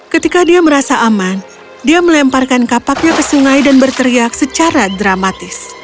ketika dia merasa aman dia melemparkan kapaknya ke sungai dan berteriak secara dramatis